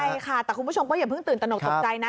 ใช่ค่ะแต่คุณผู้ชมก็อย่าเพิ่งตื่นตนกตกใจนะ